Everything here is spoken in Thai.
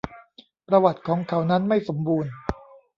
ประวัติของเขานั้นไม่สมบูรณ์